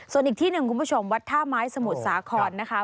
ส่วนอีกที่หนึ่งคุณผู้ชมวัดท่าไม้สมุทรสาครนะคะ